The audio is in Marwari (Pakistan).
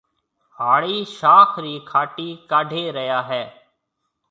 هاڙِي شاخ رِي کاٽِي ڪَڍي ريا هيَ۔